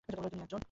তিনি একজন।